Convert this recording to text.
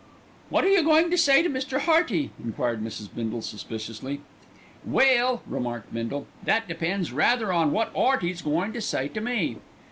"What are you goin' to say to Mr. Hearty?" enquired Mrs. Bindle suspiciously. "Well," remarked Bindle, "that depends rather on wot 'Earty's goin' to say to me."